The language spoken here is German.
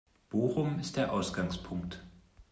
Bochum ist der Ausgangspunkt.